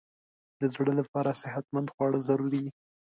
د زړه لپاره صحتمند خواړه ضروري دي.